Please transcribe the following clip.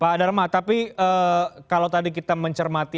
pak dharma tapi kalau tadi kita mencermati